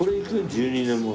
１２年物。